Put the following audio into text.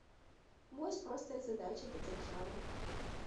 Вось простая задача для дзяржавы.